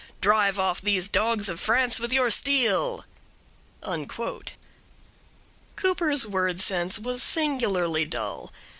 Drive off these dogs of France with your steel!'" Cooper's word sense was singularly dull.